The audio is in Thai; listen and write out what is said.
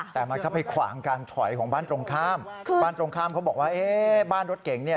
แต่มันก็ไปขวางการถอยของบ้านตรงข้ามคือบ้านตรงข้ามเขาบอกว่าเอ๊ะบ้านรถเก๋งเนี่ย